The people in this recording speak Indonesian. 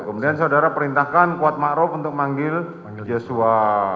kemudian saudara perintahkan kuat ma'ruf untuk manggil yosua